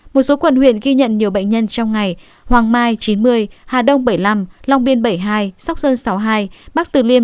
một số quận huyện ghi nhận nhiều bệnh nhân trong ngày hoàng mai chín mươi hà đông bảy mươi năm long biên bảy mươi hai sóc sơn sáu mươi hai bắc từ liêm năm mươi một